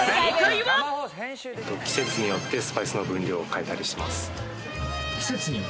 季節によってスパイスの分量を変えたりしてます。